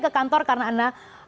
ke kantor karena anda